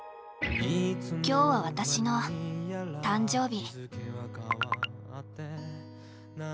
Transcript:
今日は私の誕生日。